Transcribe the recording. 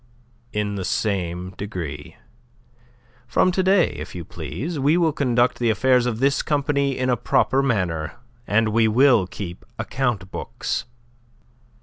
"In the same degree. From to day, if you please, we will conduct the affairs of this company in a proper manner, and we will keep account books."